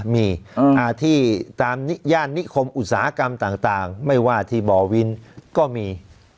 มีที่ตามย่านนิคมอุตสาหกรรมต่างไม่ว่าที่บ่อวินก็มี